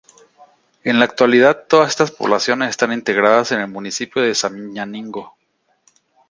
En la actualidad todos estas poblaciones están integradas en el municipio de Sabiñánigo.